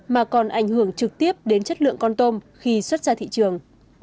mà còn ảnh hưởng trực tiếp đến chất lượng con tôm khi xuất ra thị trường